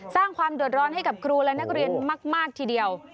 สร้างความเดือดร้อนให้กับครูและนักเรียนมากทีเดียว